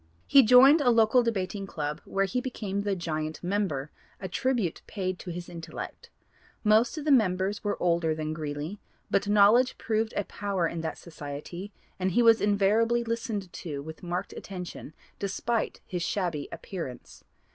He joined a local debating club where he became the 'giant' member, a tribute paid to his intellect. Most of the members were older than Greeley, but knowledge proved a power in that society and he was invariably listened to with marked attention despite his shabby appearance.